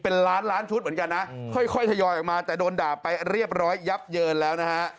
เป็นล้านล้านชุดเหมือนกันนะค่อยทยอยออกมาแต่โดนด่าไปเรียบร้อยยับเยินแล้วนะฮะ